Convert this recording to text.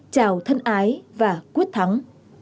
chào thân ái và quyết thắng